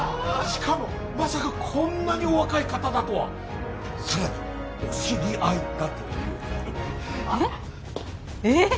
しかもまさかこんなにお若い方だとはさらにお知り合いだというえっ？